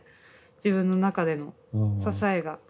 自分の中での支えが。